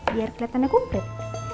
biar keliatannya kumplet